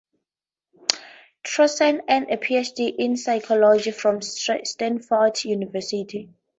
Strossen earned a PhD in psychology from Stanford University.